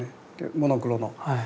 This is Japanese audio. モノクロの。